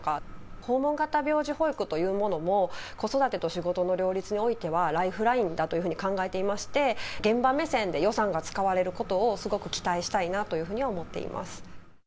訪問型病児保育というものも、子育てと仕事の両立においては、ライフラインだというふうに考えていまして、現場目線で予算が使われることを、すごく期待したいなというふうには思っています。